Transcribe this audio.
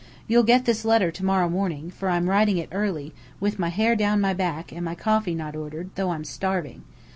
You'll get this letter to morrow morning, for I'm writing it early, with my hair down my back, and my coffee not ordered, though I'm starving.